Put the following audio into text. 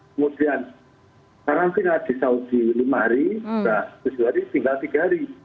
kemudian karantina di saudi lima hari tujuh hari tinggal tiga hari